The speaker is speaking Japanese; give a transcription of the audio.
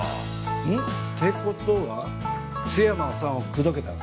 うん？ってことは津山さんを口説けたの？